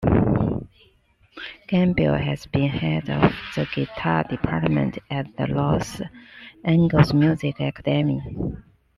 Gambale has been head of the guitar department at the Los Angeles Music Academy.